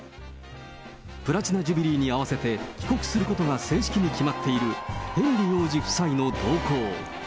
プラチナ・ジュビリーに合わせて、帰国することが正式に決まっているヘンリー王子夫妻の動向。